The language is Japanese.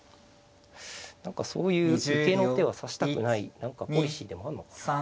何かそういう受けの手は指したくない何かポリシーでもあんのかな。